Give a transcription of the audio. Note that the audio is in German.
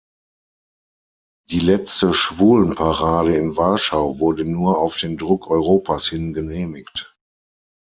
Die letzte Schwulenparade in Warschau wurde nur auf den Druck Europas hin genehmigt.